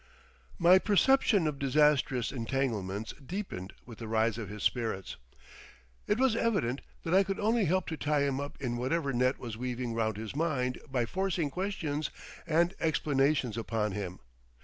My perception of disastrous entanglements deepened with the rise of his spirits. It was evident that I could only help to tie him up in whatever net was weaving round his mind by forcing questions and explanations upon him.